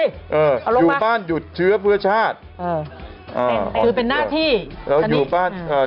เออเอาลงมาอยู่บ้านหยุดเชื้อเพื่อชาติเออคือเป็นหน้าที่แล้วอยู่บ้าน